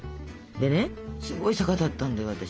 でねすごい坂だったんだよ私。